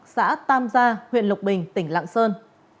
xã tam gia huyện lục bình tỉnh lạng sơn